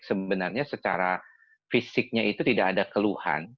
sebenarnya secara fisiknya itu tidak ada keluhan